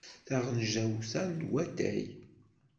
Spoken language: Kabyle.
Taɣenjayt-a n watay.